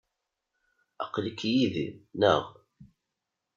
Aql-ik yid-i, naɣ?